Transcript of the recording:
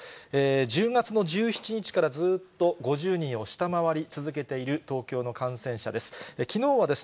１０月の１７日からずっと５０人を下回り続けている東京の感染者です。